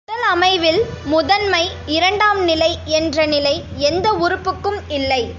உடலமைவில் முதன்மை, இரண்டாம் நிலை என்ற நிலை எந்த உறுப்புக்கும் இல்லை.